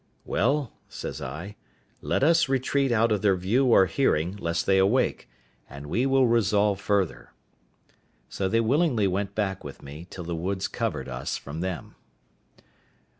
"Well," says I, "let us retreat out of their view or hearing, lest they awake, and we will resolve further." So they willingly went back with me, till the woods covered us from them.